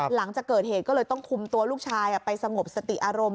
หลังจากเกิดเหตุก็เลยต้องคุมตัวลูกชายไปสงบสติอารมณ์